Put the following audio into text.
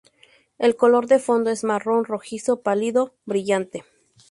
El color de fondo es marrón rojizo pálido brillante.